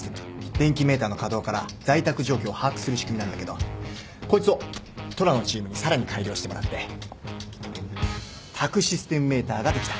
電気メーターの稼働から在宅状況を把握する仕組みなんだけどこいつを虎のチームにさらに改良してもらって宅・システム・メーターができた。